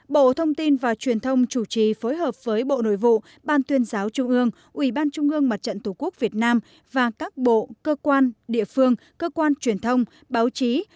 bộ thông tin và truyền thông chủ trì phối hợp với bộ nội vụ ban tuyên giáo trung ương ubnd tqvn và các bộ cơ quan địa phương cơ quan truyền thông báo chí